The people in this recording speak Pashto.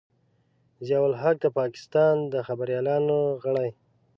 ضیا الحق د پاکستان د خبریالانو غړی.